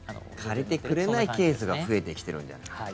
借りてくれないケースが増えてきているんじゃないかと。